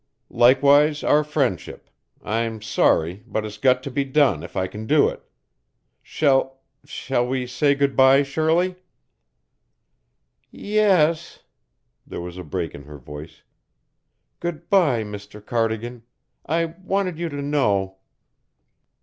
"Likewise our friendship. I'm sorry, but it's got to be done if I can do it. Shall shall we say good bye, Shirley?" "Yes s s!" There was a break in her voice. "Good bye, Mr Cardigan. I wanted you to know."